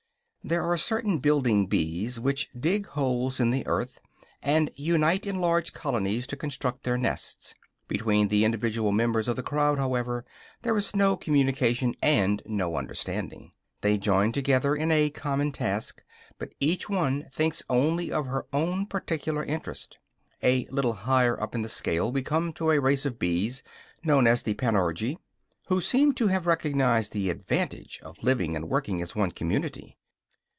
There are certain building bees which dig holes in the earth, and unite in large colonies to construct their nests. Between the individual members of the crowd, however, there is no communication and no understanding; they join together in a common task, but each one thinks only of her own particular interest. A little higher up in the scale we come to a race of bees, known as the Panurgi, who seem to have recognized the advantage of living and working as one community.